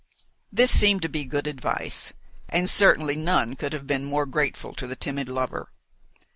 This seemed to be good advice, and certainly none could have been more grateful to the timid lover.